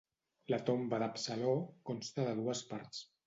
La tomba d'Absalò consta de dues parts.